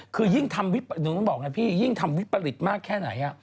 คือยิ่งทำวิสปริตมากแค่ไหนอ่ะ